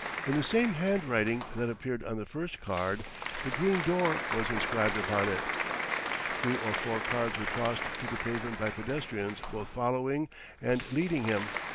In the same handwriting that appeared on the first card "The Green Door" was inscribed upon it. Three or four cards were tossed to the pavement by pedestrians both following and leading him.